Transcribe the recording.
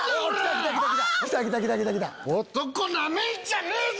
男ナメんじゃねえぞ！